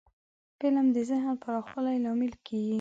فلم د ذهن پراخوالي لامل کېږي